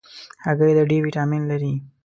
هګۍ د D ویټامین لري.